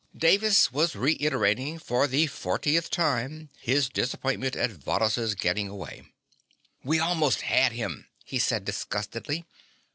Davis was reiterating for the fortieth time his disappointment at Varrhus' getting away. "We almost had him," he said disgustedly.